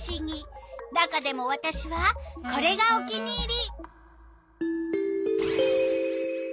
中でもわたしはこれがお気に入り！